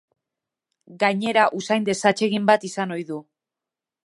Gainera, usain desatsegin bat izan ohi du.